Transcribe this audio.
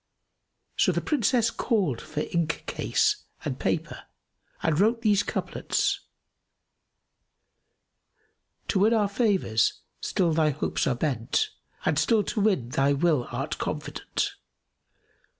So the Princess called for ink case and paper and wrote these couplets, "To win our favours still thy hopes are bent; * And still to win thy will art confident!